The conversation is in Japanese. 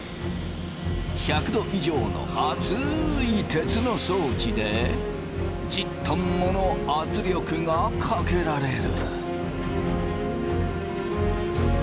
１００度以上の熱い鉄の装置で１０トンもの圧力がかけられる。